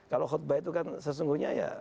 kalau khutbah itu kan sesungguhnya ya